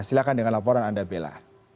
silahkan dengan laporan anda bella